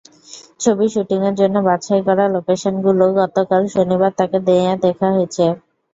ছবির শুটিংয়ের জন্য বাছাই করা লোকেশনগুলো গতকাল শনিবার তাঁকে নিয়ে দেখা হয়েছে।